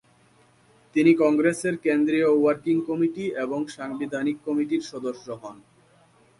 তিনি কংগ্রেসের কেন্দ্রীয় ওয়ার্কিং কমিটি এবং সাংবিধানিক কমিটির সদস্য হন।